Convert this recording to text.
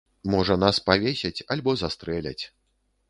Можа, нас павесяць альбо застрэляць.